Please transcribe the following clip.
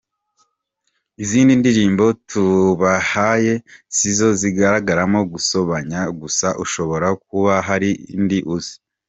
Izi ndirimbo tubahaye sizo zigaragaramo gusobanya gusa, ushobora kuba hari indi uzi.